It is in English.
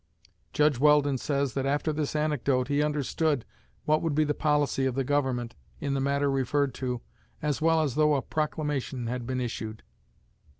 '" Judge Weldon says that after this anecdote he understood what would be the policy of the Government in the matter referred to as well as though a proclamation had been issued.